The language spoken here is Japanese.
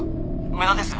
「無駄です。